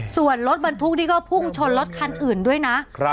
ส่วนรถบรรทุกนี่ก็พุ่งชนรถคันอื่นด้วยนะ